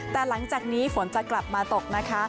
แต่หลังจากนี้ฝนจะกลับมาตกนะคะ